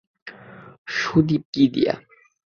শুধিব কী দিয়া?